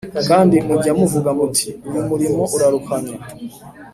Kandi mujya muvuga muti ‘Uyu murimo uraruhanya’